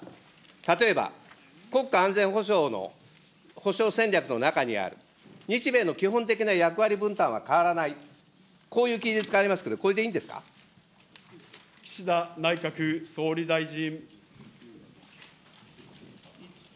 例えば、国家安全保障の保障戦略の中にある日米の基本的な役割分担は変わらない、こういう記述がありますけれども、これでいいん岸田内閣総理大臣。